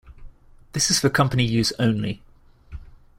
This is for company use only.